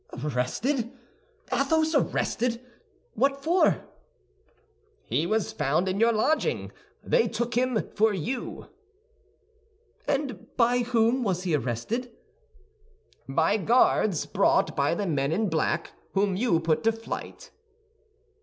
"Arrested! Athos arrested! What for?" "He was found in your lodging; they took him for you." "And by whom was he arrested?" "By Guards brought by the men in black whom you put to flight."